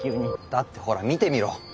だってほら見てみろ。